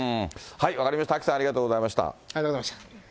分かりました、アキさん、ありがとうございました。